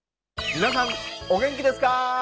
皆さんお元気ですか！